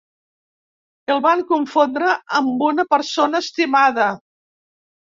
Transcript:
El van confondre amb una persona estimada.